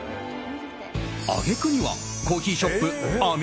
揚げ句にはコーヒーショップ